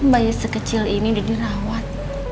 bayi sekecil ini sudah dirawat